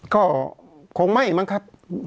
ก็คงไม่มั้งครับ